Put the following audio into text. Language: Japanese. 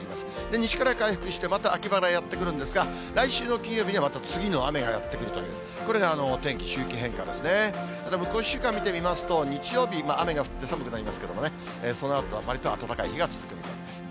西から回復して、また秋晴れがやって来るんですが、来週の金曜日にはまた次の雨がやって来るという、これがお天気周期変化ですね、向こう１週間見てみますと、日曜日、雨が降って寒くなりますけどね、そのあとは、わりと暖かい日が続く見込みです。